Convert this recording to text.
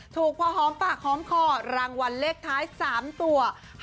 ถูกพอหอมปากหอมคอรางวัลเลขท้าย๓ตัว